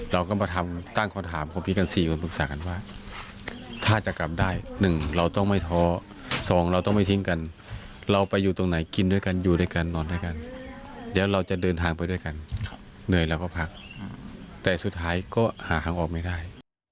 เราก็มาทำตั้งคำถามของพี่กัน๔คนปรึกษากันว่าถ้าจะกลับได้๑เราต้องไม่ท้อสองเราต้องไม่ทิ้งกันเราไปอยู่ตรงไหนกินด้วยกันอยู่ด้วยกันนอนด้วยกันเดี๋ยวเราจะเดินทางไปด้วยกันเหนื่อยเราก็พักแต่สุดท้ายก็หาทางออกไม่ได้